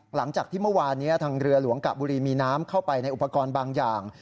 หลังจากที่เมื่อวานนี้ทางเรือหลวงกะบุรีมีน้ำเข้าไปในอุปกรณ์บางอย่าง